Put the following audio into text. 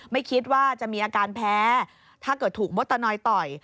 ไม่คิดว่าจะมีอาการแพ้ถ้าเกิดถูกมดตะนอยต่อย